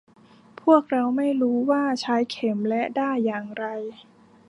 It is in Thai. พวกเราไม่รู้ว่าใช้เข็มและด้ายอย่างไร